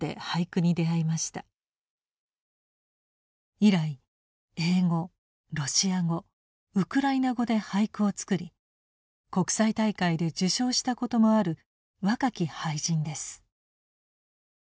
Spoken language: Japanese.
以来英語ロシア語ウクライナ語で俳句を作り国際大会で受賞したこともある若き俳人です。